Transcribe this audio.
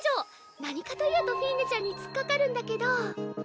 何かというとフィーネちゃんに突っかかるんだけど。